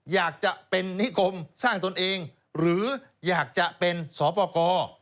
อยากจะเป็นนิคมสร้างตนเองหรืออยากจะเป็นสปกร